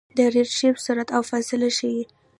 د ریډشفټ سرعت او فاصله ښيي.